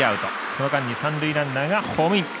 その間に三塁ランナーがホームイン。